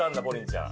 ちゃん